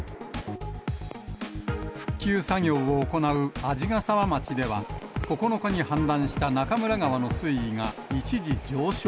復旧作業を行う鯵ヶ沢町では、９日に氾濫した中村川の水位が一時上昇。